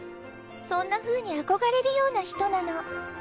そんなふうに憧れるような人なの。